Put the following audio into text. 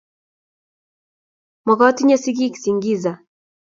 Magotinye sigiik Singiza